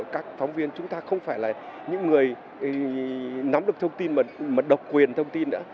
các phóng viên chúng ta không phải là những người nắm được thông tin mà độc quyền thông tin nữa